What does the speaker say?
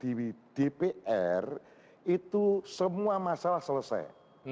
di dpr itu semua masalah selesai